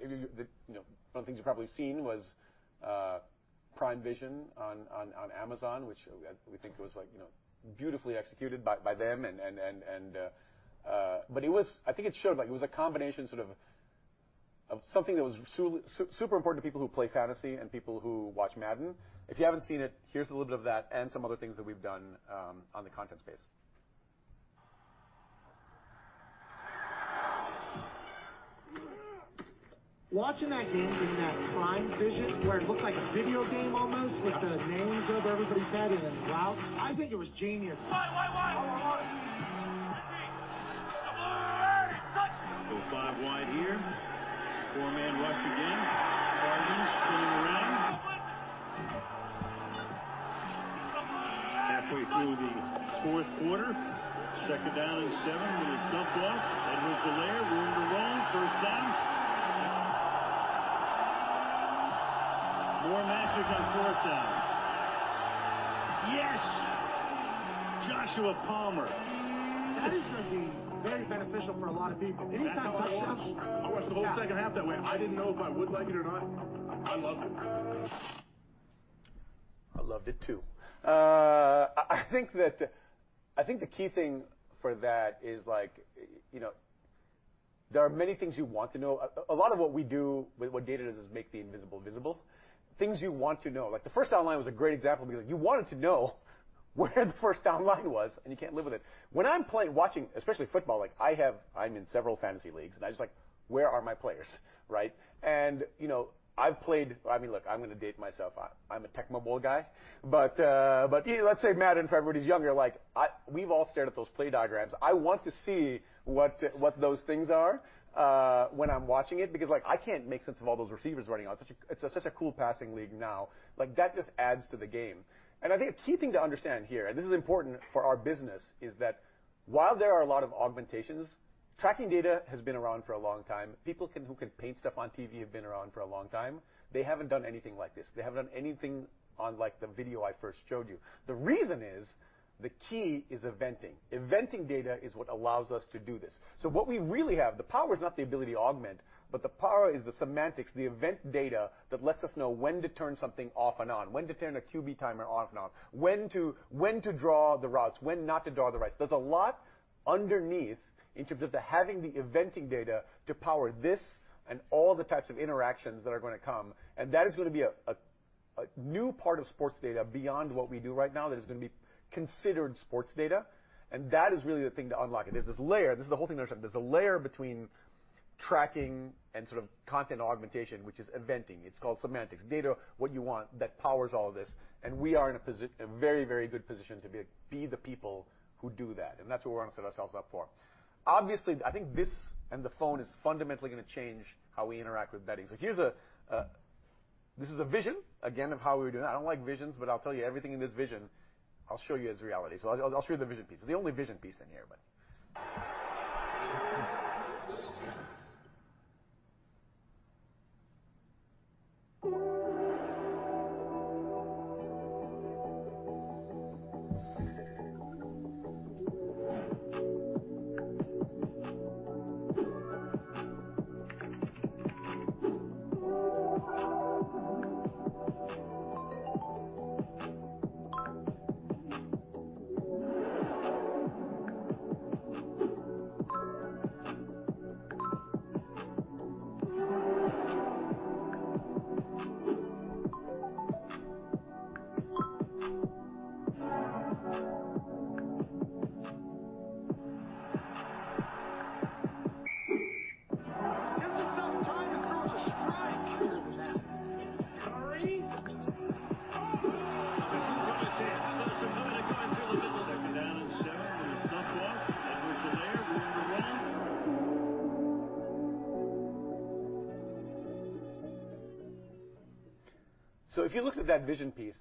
you know, one of the things you've probably seen was Prime Vision on Amazon, which we think it was like, you know, beautifully executed by them and. I think it showed, like it was a combination sort of something that was super important to people who play Fantasy and people who watch Madden. If you haven't seen it, here's a little bit of that and some other things that we've done on the content space.
Watching that game in that Prime Vision where it looked like a video game almost. Yeah. With the names over everybody's head and then routes, I think it was genius. Wide, wide. Come on. Go 5 wide here. 4-man rush again. Cardinals spinning around. Way through the fourth quarter. Second down and seven with a pump fake. Edwards-Helaire room to roll. First down. More magic on fourth down. Yes! Joshua Palmer. That is going to be very beneficial for a lot of people. Anytime That's how I watched the whole second half that way. I didn't know if I would like it or not. I loved it.
I loved it, too. I think the key thing for that is like, you know, there are many things you want to know. A lot of what we do with what data does is make the invisible visible. Things you want to know. Like the first down line was a great example because you wanted to know where the first down line was. You can't live with it. When I'm playing, watching, especially football, like I'm in several fantasy leagues. I'm just like, "Where are my players?" Right? You know, I mean, look, I'm gonna date myself. I'm a Tecmo Bowl guy. Let's say Madden for everybody who's younger. Like we've all stared at those play diagrams. I want to see what those things are when I'm watching it because like I can't make sense of all those receivers running out. It's such a cool passing league now. Like that just adds to the game. I think a key thing to understand here, and this is important for our business, is that while there are a lot of augmentations, tracking data has been around for a long time. People who can paint stuff on TV have been around for a long time. They haven't done anything like this. They haven't done anything on like the video I first showed you. The reason is, the key is Eventing. Eventing data is what allows us to do this. What we really have, the power is not the ability to augment, but the power is the semantics, the event data that lets us know when to turn something off and on, when to turn a QB timer off and on, when to draw the routes, when not to draw the routes. There's a lot underneath in terms of the having the eventing data to power this and all the types of interactions that are gonna come, and that is gonna be a new part of sports data beyond what we do right now that is gonna be considered sports data, and that is really the thing to unlock. There's this layer. There's a layer between tracking and sort of content augmentation, which is eventing. It's called semantics data, what you want that powers all of this. We are in a very, very good position to be the people who do that. That's what we wanna set ourselves up for. Obviously, I think this and the phone is fundamentally gonna change how we interact with betting. Here's a... This is a vision, again, of how we're doing that. I don't like visions, but I'll tell you everything in this vision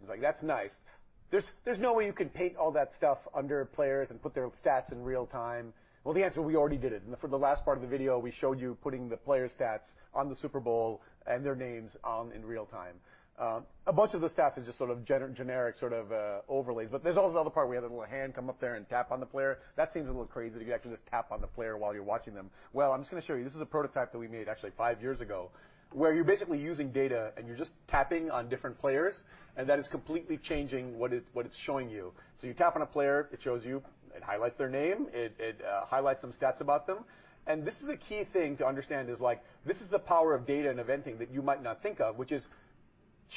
like, "That's nice. There's no way you can paint all that stuff under players and put their stats in real time." The answer, we already did it. For the last part of the video, we showed you putting the player stats on the Super Bowl and their names in real time. A bunch of the stats is just sort of generic, sort of overlays. There's also the other part. We had the little hand come up there and tap on the player. That seems a little crazy that you can actually just tap on the player while you're watching them. I'm just gonna show you. This is a prototype that we made actually five years ago, where you're basically using data, you're just tapping on different players, that is completely changing what it's showing you. You tap on a player, it shows you, it highlights their name, it highlights some stats about them. This is a key thing to understand is like this is the power of data and eventing that you might not think of, which is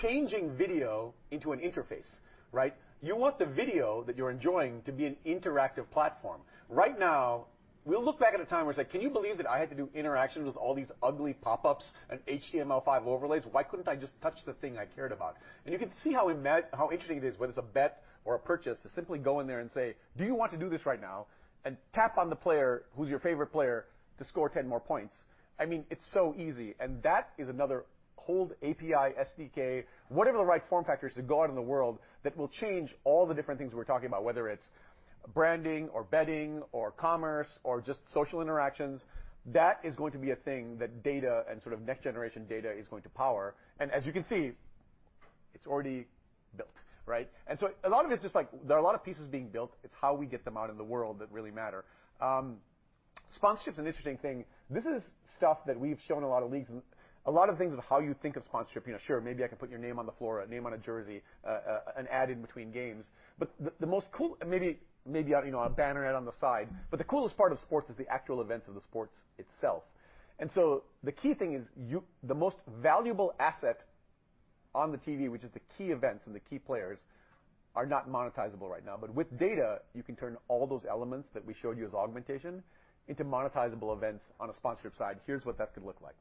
changing video into an interface, right? You want the video that you're enjoying to be an interactive platform. Right now, we'll look back at a time where it's like, "Can you believe that I had to do interactions with all these ugly pop-ups and HTML5 overlays? Why couldn't I just touch the thing I cared about? You can see how interesting it is, whether it's a bet or a purchase, to simply go in there and say, "Do you want to do this right now?" Tap on the player who's your favorite player to score 10 more points. I mean, it's so easy, and that is another whole API, SDK, whatever the right form factor is to go out in the world that will change all the different things we're talking about, whether it's branding or betting or commerce or just social interactions. That is going to be a thing that data and sort of next-generation data is going to power. As you can see, it's already built, right? A lot of it's just like there are a lot of pieces being built. It's how we get them out in the world that really matter. Sponsorship's an interesting thing. This is stuff that we've shown a lot of leagues and a lot of things of how you think of sponsorship. You know, sure, maybe I can put your name on the floor, a name on a jersey, an ad in between games. You know, a banner ad on the side. The coolest part of sports is the actual events of the sports itself. The key thing is the most valuable asset on the TV, which is the key events and the key players, are not monetizable right now. With data, you can turn all those elements that we showed you as augmentation into monetizable events on a sponsorship side. Here's what that's gonna look like.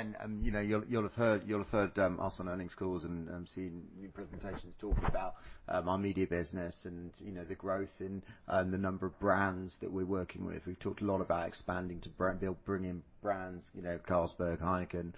Guendouzi pull up jumper is good. Guardiola wth one challenge. Now they found Ronaldo! What a fantastic finish.
So we can-
Again, you know, you'll have heard us on earnings calls and seen new presentations talking about our media business and, you know, the growth in the number of brands that we're working with. We've talked a lot about expanding to build brilliant brands, you know, Carlsberg, Heineken,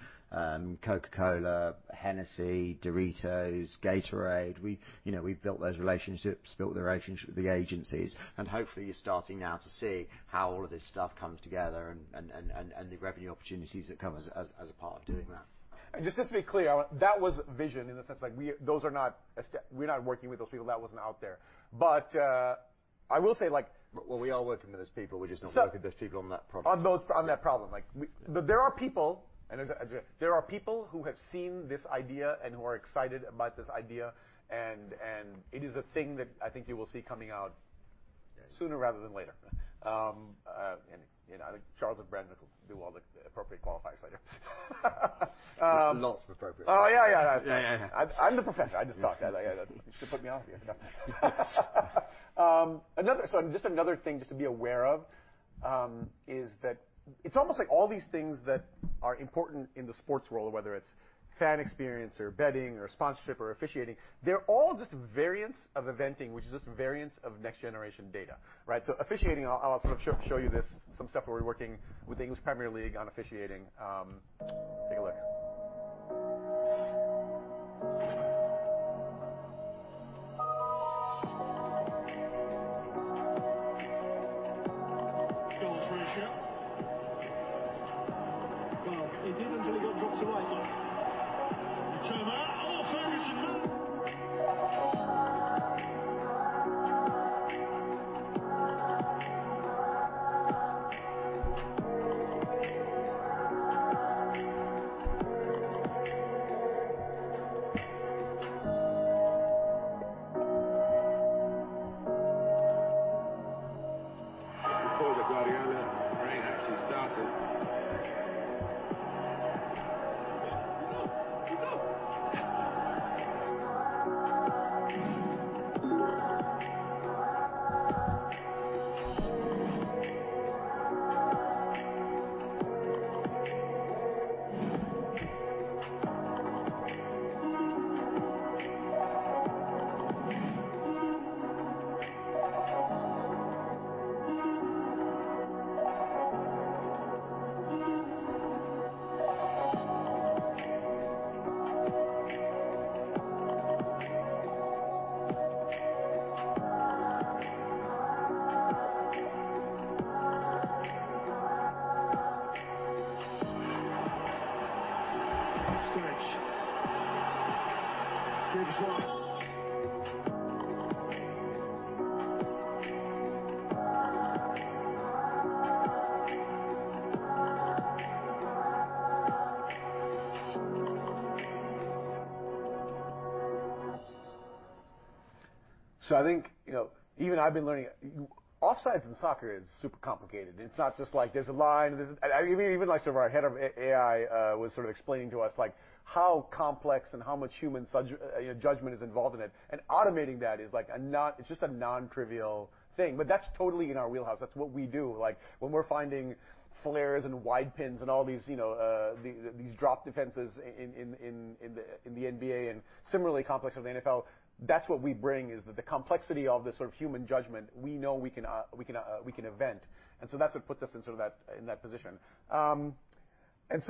Coca-Cola, Hennessy, Doritos, Gatorade. We, you know, we've built those relationships, built the relationship with the agencies, and hopefully you're starting now to see how all of this stuff comes together and the revenue opportunities that come as a part of doing that.
Just to be clear, That was vision in the sense like we. Those are not a step. We're not working with those people. That wasn't out there. I will say.
Well, we are working with those people. We're just not.
So-
working with those people on that problem.
On that problem. Like
Yeah.
There are people who have seen this idea and who are excited about this idea and it is a thing that I think you will see coming out.
Yeah.
sooner rather than later. you know, I think Charles and Brendan will do all the appropriate qualifiers later.
There's lots of appropriate qualifiers.
Yeah, yeah.
Yeah, yeah.
I'm the professor. I just talk. I You should put me off here. Just another thing just to be aware of, is that it's almost like all these things that are important in the sports world, whether it's fan experience or betting or sponsorship or officiating, they're all just variants of eventing, which is just variants of next generation data, right? Officiating, I'll sort of show you this, some stuff where we're working with the English Premier League on officiating. Take a look.
Skills workshop. Well, he did until he got dropped away, Mark. The chairman. Oh, Ferguson missed. Before the Guardiola reign actually started. Stretch. Davis one.
I think, you know, even I've been learning, Offsides in soccer is super complicated. It's not just like there's a line, there's. Even like sort of our head of AI was sort of explaining to us like how complex and how much human, you know, judgment is involved in it. Automating that is like. It's just a non-trivial thing. That's totally in our wheelhouse. That's what we do. Like, when we're finding flares and wide pins and all these, you know, the, these drop defenses in the NBA and similarly complex of the NFL, that's what we bring, is the complexity of the sort of human judgment we know we can event. That's what puts us in sort of that, in that position. That's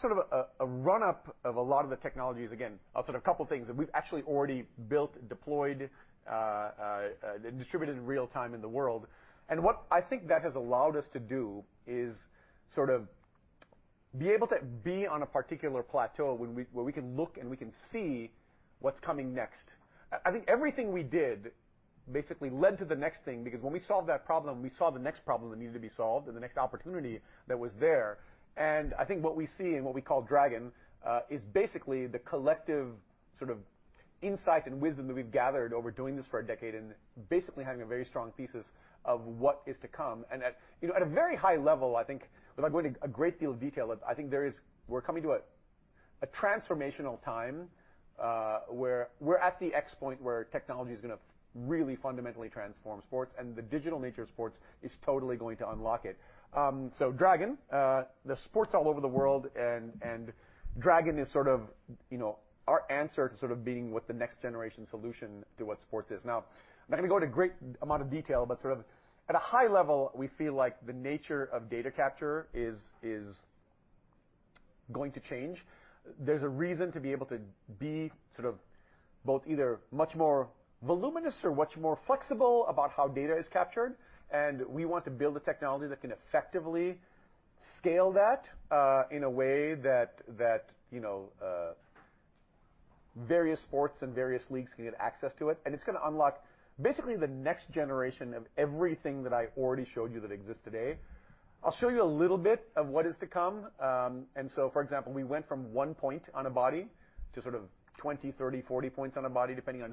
sort of a run up of a lot of the technologies. Again, a sort of couple things that we've actually already built, deployed, and distributed in real time in the world. What I think that has allowed us to do is sort of be able to be on a particular plateau where we can look and we can see what's coming next. I think everything we did basically led to the next thing because when we solved that problem, we saw the next problem that needed to be solved and the next opportunity that was there. I think what we see and what we call Dragon is basically the collective sort of insight and wisdom that we've gathered over doing this for a decade and basically having a very strong thesis of what is to come. At, you know, at a very high level, I think, without going to a great deal of detail, we're coming to a transformational time where we're at the X point where technology is gonna really fundamentally transform sports and the digital nature of sports is totally going to unlock it. Dragon, there's sports all over the world and Dragon is sort of, you know, our answer to sort of being what the next generation solution to what sports is. I'm not gonna go into great amount of detail, but sort of at a high level, we feel like the nature of data capture is going to change. There's a reason to be able to be sort of both either much more voluminous or much more flexible about how data is captured. We want to build a technology that can effectively scale that, in a way that, you know, various sports and various leagues can get access to it. It's gonna unlock basically the next generation of everything that I already showed you that exists today. I'll show you a little bit of what is to come. For example, we went from one point on a body to sort of 20, 30, 40 points on a body, depending on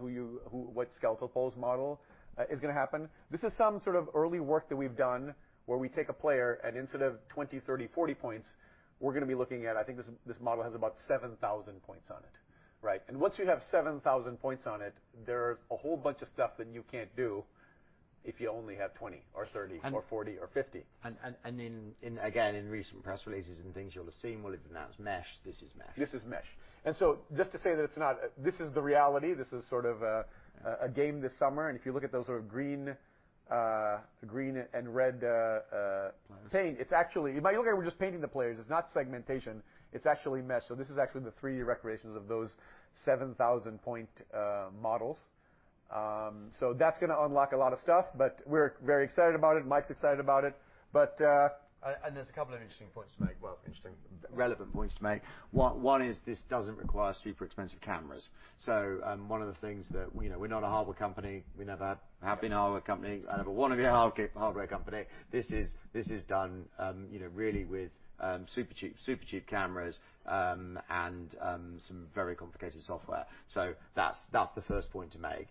what skeletal pose model is gonna happen. This is some sort of early work that we've done where we take a player, and instead of 20, 30, 40 points, we're gonna be looking at, I think this model has about 7,000 points on it, right? Once you have 7,000 points on it, there's a whole bunch of stuff that you can't do if you only have 20 or 30-
And-
or 40 or 50.
Again, in recent press releases and things you'll have seen, we'll have announced Mesh. This is Mesh.
This is Mesh. Just to say that this is the reality. This is sort of a game this summer. If you look at those sort of green and red.
Lines
...taint, it's actually, if you look at it, we're just painting the players. It's not segmentation. It's actually Mesh. This is actually the three recreations of those 7,000 point models. That's gonna unlock a lot of stuff, but we're very excited about it. Mike's excited about it.
There's a couple of interesting points to make. Well, interesting, relevant points to make. One is this doesn't require super expensive cameras. One of the things that, you know, we're not a hardware company. We never have been a hardware company, and never wanna be a hardware company. This is done, you know, really with super cheap cameras, and some very complicated software. That's the first point to make.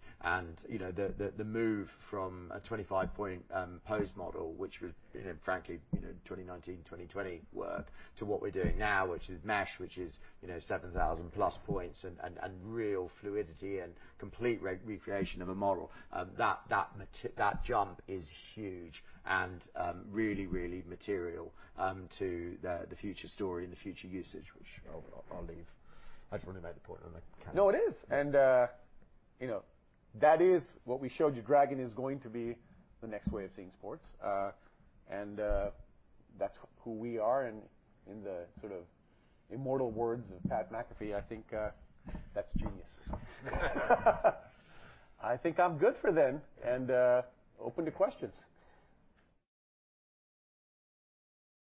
You know, the move from a 25 point pose model, which was, you know, frankly, you know, 2019, 2020 work to what we're doing now, which is Mesh, which is, you know, 7,000 plus points and real fluidity and complete recreation of a model, that jump is huge and really, really material to the future story and the future usage, which I'll leave. I just wanna make the point on the cameras.
No, it is. You know, that is what we showed you. Dragon is going to be the next way of seeing sports. That's who we are and in the sort of immortal words of Pat McAfee, I think, that's Genius. I think I'm good for then, open to questions.